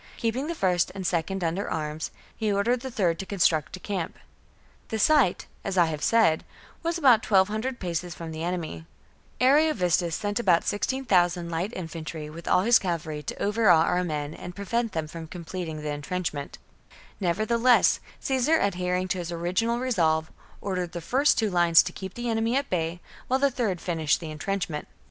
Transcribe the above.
Keeping the first and second under arms, he ordered the third to construct a camp. The site, as I have said, was about twelve hundred paces from the enemy. Ariovistus sent about sixteen thousand light infantry with all his cavalry to overawe our men ^ See Caesar's Conquest of Gaul, pp. 43, 636 7. 46 CAMPAIGNS AGAINST THE book 58 B.C. and prevent them from completing the entrench ment. Nevertheless, Caesar, adhering to his original resolve, ordered the first two lines to keep the enemy at bay, while the third finished the entrenchment.